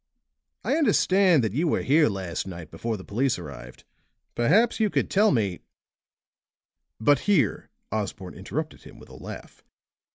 "I understand that you were here last night before the police arrived. Perhaps you could tell me " But here Osborne interrupted him with a laugh.